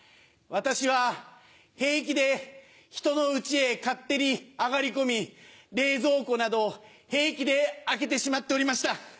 私は平気でひとの家へ勝手に上がり込み冷蔵庫などを平気で開けてしまっておりました。